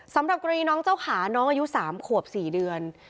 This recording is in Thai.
สำหรับกรณีน้องเจ้าขาน้องอายุ๓ขวบ๔เดือน